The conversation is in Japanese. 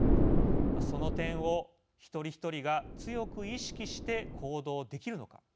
その点を一人一人が強く意識して行動できるのか。